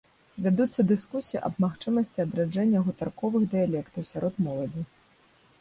Вядуцца дыскусіі аб магчымасці адраджэння гутарковых дыялектаў сярод моладзі.